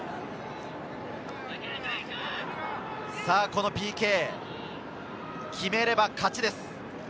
このＰＫ、決めれば勝ちです。